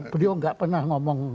beliau gak pernah ngomong